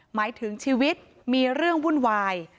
หมายถึงชีวิตมีเรื่องวุ่นวาย